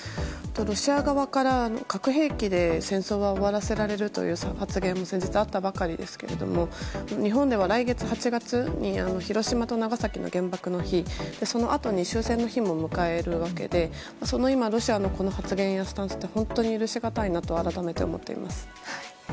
ロシア側から核兵器で戦争は終わらせられるという発言も先日あったばかりですけども日本では、来月８月に広島と長崎の原爆の日そのあとに終戦の日も迎えるわけでロシアの発言やスタンスは本当に許しがたいなと改めて思っています。